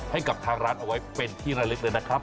ให้กับทางร้านเอาไว้เป็นที่ระลึกเลยนะครับ